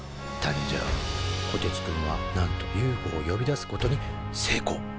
こてつくんはなんとＵＦＯを呼び出すことに成功！